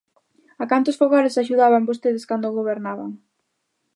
¿A cantos fogares axudaban vostedes cando gobernaban?